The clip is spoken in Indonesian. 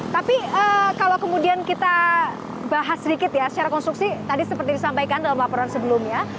tapi kalau kemudian kita bahas sedikit ya secara konstruksi tadi seperti disampaikan dalam laporan sebelumnya